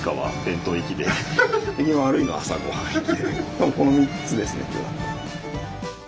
多分この３つですね今日は。